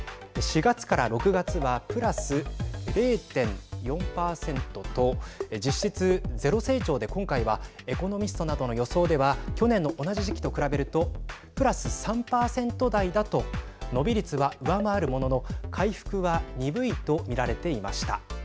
４月から６月はプラス０．４％と実質ゼロ成長で今回はエコノミストなどの予想では去年の同じ時期と比べるとプラス３％台だと伸び率は上回るものの回復は鈍いと見られていました。